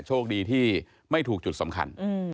โชคดีที่ไม่ถูกจุดสำคัญ